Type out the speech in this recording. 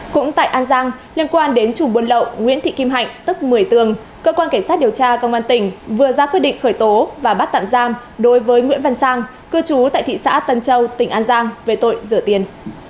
cũng tại an giang liên quan đến chùm buôn lậu nguyễn thị kim hạnh tức một mươi tường cơ quan cảnh sát điều tra công an tỉnh vừa ra quyết định khởi tố và bắt tạm giam đối với nguyễn văn sang cư trú tại thị xã tân châu tỉnh an giang về tội rửa tiền